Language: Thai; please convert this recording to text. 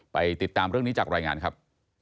ติดตามเรื่องนี้จากรายงานครับ